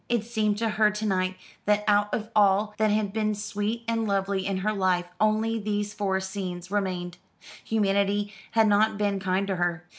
It seemed to her to night that out of all that had been sweet and lovely in her life only these forest scenes remained. Humanity had not been kind to her.